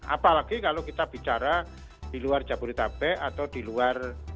apalagi kalau kita bicara di luar jabodetabek atau di luar